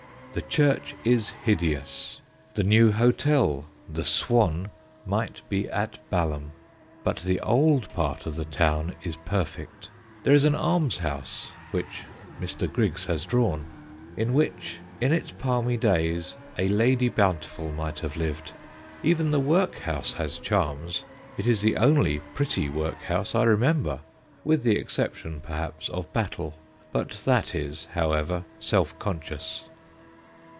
The church is hideous; the new hotel, the "Swan," might be at Balham; but the old part of the town is perfect. There is an almshouse (which Mr. Griggs has drawn), in which in its palmy days a Lady Bountiful might have lived; even the workhouse has charms it is the only pretty workhouse I remember: with the exception, perhaps, of Battle, but that is, however, self conscious.